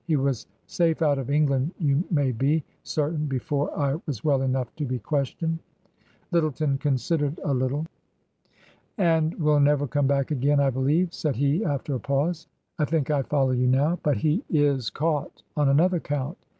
He was safe out of England you may be certain before I was well enough to be questioned." Lyttleton considered a little. TRANSITION. 297 " And will never come back again, I believe," said he, after a pause. " I think I follow you now. But he is caught — on another count.